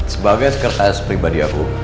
sebagai sekretaris pribadi aku